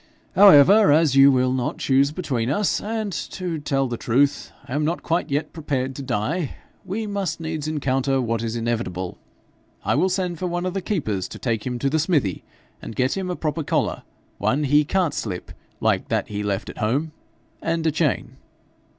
However, as you will not choose between us and to tell the truth, I am not yet quite prepared to die we must needs encounter what is inevitable. I will send for one of the keepers to take him to the smithy, and get him a proper collar one he can't slip like that he left at home and a chain.'